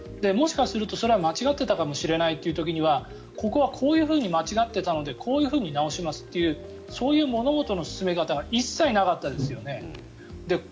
もしかするとそれは間違っていたかもしれないという時はここがこういうふうに間違っていたかもしれないのでこういうふうに直しますっていうそういう物事の直し方が一切なかったですよね。